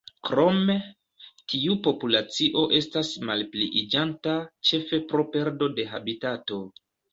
Krome, tiu populacio estas malpliiĝanta, ĉefe pro perdo de habitato.